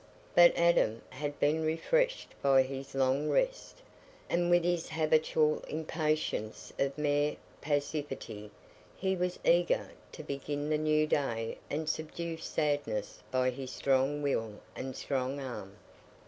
But Adam had been refreshed by his long rest, and with his habitual impatience of mere passivity, he was eager to begin the new day and subdue sadness by his strong will and strong arm.